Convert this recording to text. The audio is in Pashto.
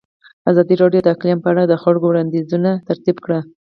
ازادي راډیو د اقلیم په اړه د خلکو وړاندیزونه ترتیب کړي.